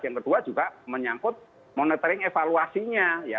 yang kedua juga menyangkut monitoring evaluasinya ya